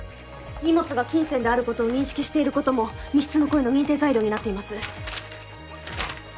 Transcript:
荷物が金銭であることを認識していることも未必の故意の認定材料になっています